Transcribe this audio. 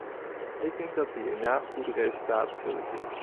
Ik denk dat we hierna goede resultaten zullen zien.